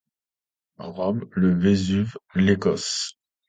Rome, le Vésuve, l'Écosse...